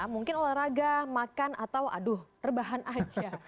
mungkin olahraga makan atau aduh rebahan aja